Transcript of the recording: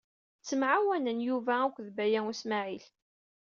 Ttemɛawanen Yuba akked Baya U Smaɛil.